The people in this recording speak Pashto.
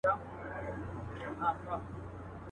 په جرگه كي سوه خندا د موږكانو.